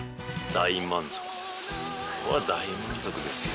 大満足ですよ。